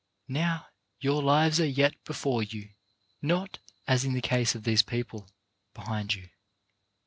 Now your lives are yet before you, not, as in the case of these people, behind you.